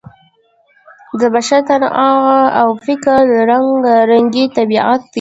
د بشري تنوع او فکري رنګارنګۍ طبیعت دی.